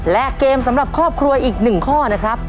และเกมสำหรับครอบครัวอีก๑ข้อนะครับ